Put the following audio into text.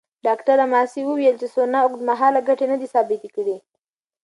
ډاکټره ماسي وویل چې سونا اوږدمهاله ګټې ندي ثابته کړې.